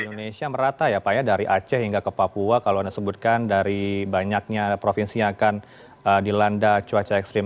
indonesia merata ya pak ya dari aceh hingga ke papua kalau anda sebutkan dari banyaknya provinsi yang akan dilanda cuaca ekstrim